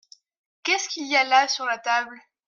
Qu’est-ce qu’il y a là sur la table ?